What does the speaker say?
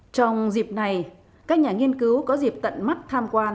trong dịp này các nhà nghiên cứu có dịp tận mắt tham quan